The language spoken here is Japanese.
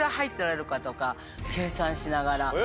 計算しながら。